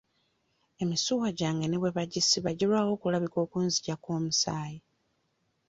Emisuwa gyange ne bwe bagisiba girwawo okulabika okunzigyako omusaayi.